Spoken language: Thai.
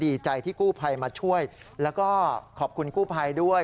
ดีใจที่กู้ภัยมาช่วยแล้วก็ขอบคุณกู้ภัยด้วย